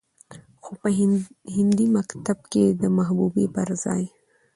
خو په هندي مکتب کې د محبوبې پرځاى